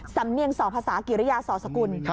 สำเนียงศาสตร์ภาษากิริยาศาสตร์สกุล